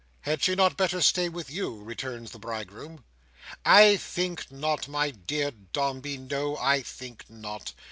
"Had she not better stay with you?" returns the Bridegroom. "I think not, my dear Dombey. No, I think not.